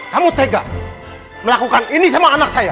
kamu tega melakukan ini sama anak saya